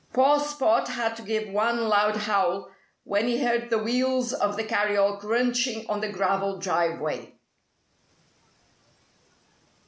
Poor Spot had to give one loud howl when he heard the wheels of the carryall crunching on the gravel driveway.